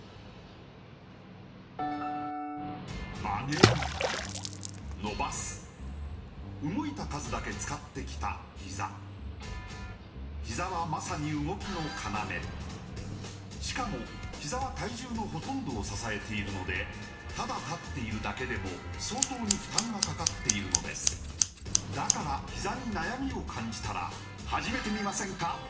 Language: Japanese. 曲げる伸ばす動いた数だけ使ってきたひざひざはまさに動きの要しかもひざは体重のほとんどを支えているのでただ立っているだけでも相当に負担がかかっているのですだからひざに悩みを感じたら始めてみませんか